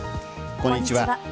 こんにちは。